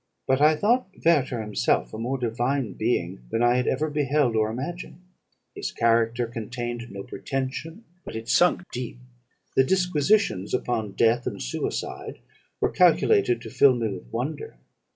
But I thought Werter himself a more divine being than I had ever beheld or imagined; his character contained no pretension, but it sunk deep. The disquisitions upon death and suicide were calculated to fill me with wonder.